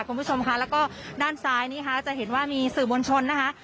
คุณผู้ชมค่ะแล้วก็ด้านซ้ายนี้ค่ะจะเห็นว่ามีสื่อมวลชนนะคะ